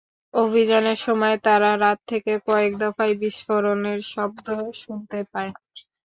অভিযানের সময় তাঁরা রাত থেকে কয়েক দফায় বিস্ফোরণের শব্দ শোনতে পায়।